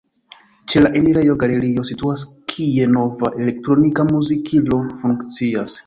Ĉe la enirejo galerio situas, kie nova elektronika muzikilo funkcias.